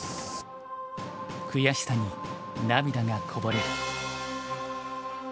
悔しさに涙がこぼれる。